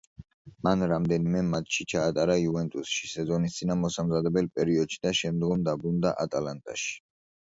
მან რამდენიმე მატჩი ჩაატარა „იუვენტუსში“ სეზონისწინა მოსამზადებელ პერიოდში და შემდეგ დაბრუნდა „ატალანტაში“.